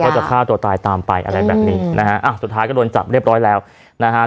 จะฆ่าตัวตายตามไปอะไรแบบนี้นะฮะอ้าวสุดท้ายก็โดนจับเรียบร้อยแล้วนะฮะ